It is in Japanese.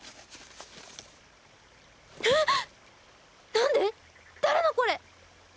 なんで⁉誰のこれ？